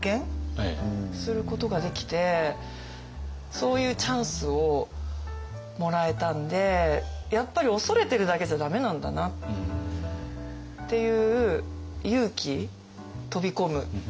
そういうチャンスをもらえたんでやっぱり恐れてるだけじゃ駄目なんだなっていう勇気飛び込む。